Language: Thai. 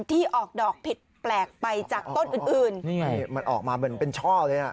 ที่ออกดอกผิดแปลกไปจากต้นอื่นอื่นนี่ไงมันออกมาเหมือนเป็นช่อเลยน่ะ